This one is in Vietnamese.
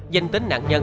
danh tính nạn nhân